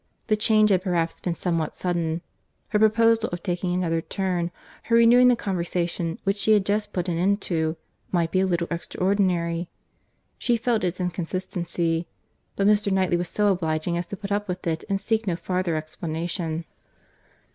—The change had perhaps been somewhat sudden;—her proposal of taking another turn, her renewing the conversation which she had just put an end to, might be a little extraordinary!—She felt its inconsistency; but Mr. Knightley was so obliging as to put up with it, and seek no farther explanation.